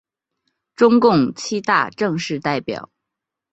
中共七大正式代表。